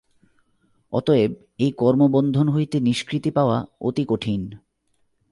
অতএব এই কর্মবন্ধন হইতে নিষ্কৃতি পাওয়া অতি কঠিন।